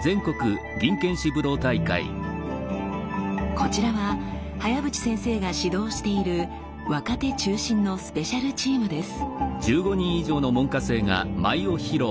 こちらは早淵先生が指導している若手中心のスペシャルチームです。